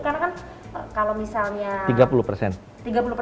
karena kan kalau misalnya